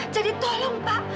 jadi tolong pak